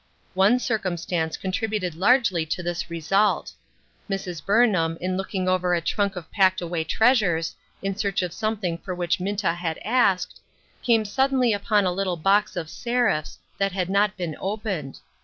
One circumstance contributed largely to this result. Mrs. Burnham, in looking over a trunk of packed away treasures, in search of something for which Minta had asked, came suddenly upon a little box of Seraph's, that had not been opened.